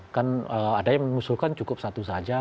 kan ada yang mengusulkan cukup satu saja